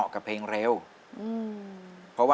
รักคุณเสียยิ่งกว่าใคร